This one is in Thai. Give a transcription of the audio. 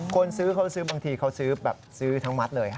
คนซื้อเขาซื้อบางทีเขาซื้อแบบซื้อทั้งมัดเลย